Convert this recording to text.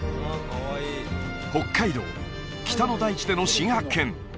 北海道北の大地での新発見